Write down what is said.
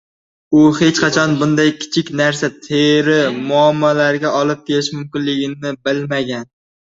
U hech qachon bunday kichik narsa teri muammolariga olib kelishi mumkinligini bilmagan